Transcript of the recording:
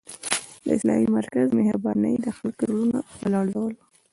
د اسلامي مرکز مهربانۍ د خلکو زړونه ولړزول